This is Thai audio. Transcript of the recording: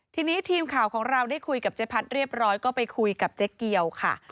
ทีนี้ทีมข่าวของเราได้คุยกับเจ๊พัดเรียบร้อยก็ไปคุยกับเจ๊เกียวค่ะ